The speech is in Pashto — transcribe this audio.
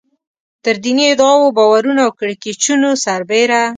تر دیني ادعاوو، باورونو او کړکېچونو سربېره.